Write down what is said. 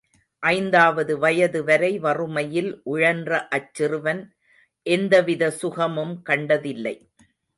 ஐந்தாவது வயது வரை வறுமையில் உழன்ற அச் சிறுவன் எந்தவிதசுகமும் கண்டதில்லை.